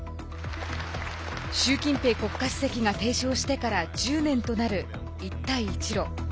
習近平国家主席が提唱してから１０年となる一帯一路。